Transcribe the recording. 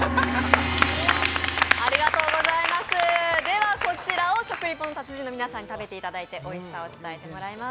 ありがとうございます、ではこちらの食リポの達人の方に食べていただいておいしさを伝えてもらいます。